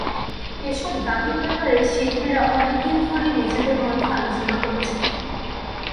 এসব দাবির ব্যাপারে শিল্পীরা অনেক দিন ধরেই নিজেদের মধ্যে আলোচনা করেছেন।